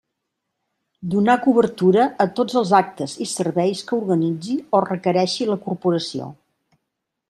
Donar cobertura a tots els actes i serveis que organitzi o requereixi la corporació.